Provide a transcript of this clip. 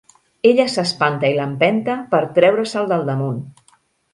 Ella s'espanta i l'empenta per treure-se'l del damunt.